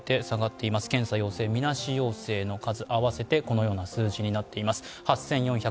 下がっています、検査陽性、みなし陽性の数合わせてこのような数字になっています。